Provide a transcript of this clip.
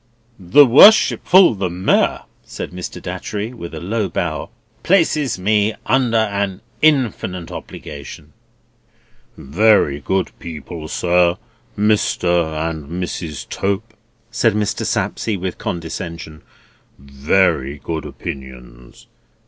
"The Worshipful the Mayor," said Mr. Datchery, with a low bow, "places me under an infinite obligation." "Very good people, sir, Mr. and Mrs. Tope," said Mr. Sapsea, with condescension. "Very good opinions.